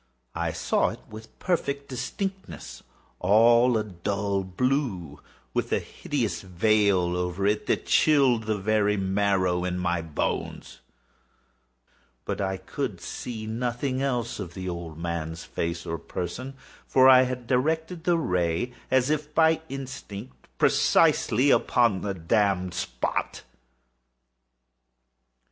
I saw it with perfect distinctness—all a dull blue, with a hideous veil over it that chilled the very marrow in my bones; but I could see nothing else of the old man's face or person: for I had directed the ray as if by instinct, precisely upon the damned spot.